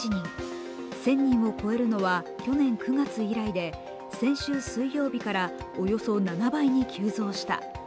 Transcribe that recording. １０００人を超えるのは去年９月以来で先週水曜日からおよそ７倍に急増した。